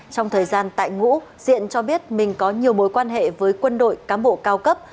trong thời gian tại ngũ diện cho biết mình có nhiều mối quan hệ với quân đội cán bộ cao cấp